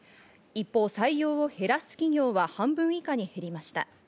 一方、採用を減らす企業は半分以下に減りました。